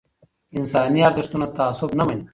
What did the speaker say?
انساني ارزښتونه تعصب نه مني